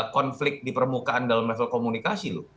konflik di permukaan dalam level komunikasi loh